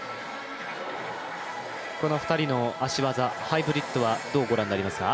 この２人の足技、ハイブリッドはどうご覧になりますか？